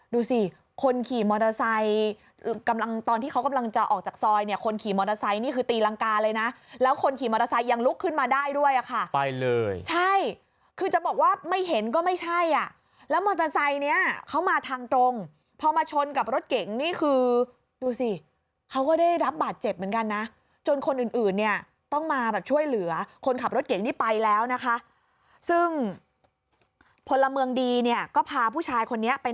ดูสิคนขี่มอเตอร์ไซต์กำลังตอนที่เขากำลังจะออกจากซอยเนี่ยคนขี่มอเตอร์ไซต์นี่คือตีรังกาเลยนะแล้วคนขี่มอเตอร์ไซต์ยังลุกขึ้นมาได้ด้วยอ่ะค่ะไปเลยใช่คือจะบอกว่าไม่เห็นก็ไม่ใช่อ่ะแล้วมอเตอร์ไซต์เนี่ยเขามาทางตรงพอมาชนกับรถเก่งนี่คือดูสิเขาก็ได้รับบาดเจ็บเหมือนกันนะจนคนอื่นเนี่ย